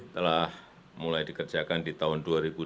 telah mulai dikerjakan di tahun dua ribu dua puluh